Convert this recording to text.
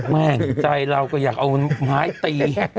ไม่ใจเราก็อยากเอาไม้ตี